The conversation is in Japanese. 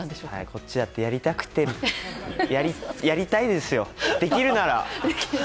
こっちだって、やりたいですよできるなら。